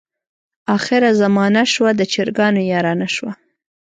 اخره زمانه شوه د چرګانو یارانه شوه.